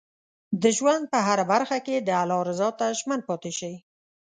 د ژوند په هره برخه کې د الله رضا ته ژمن پاتې شئ.